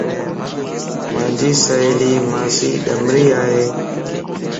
مانجي سھيلي مانسي ڏمري اي